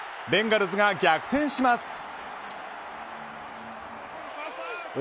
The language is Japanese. ベンガルズが逆転します。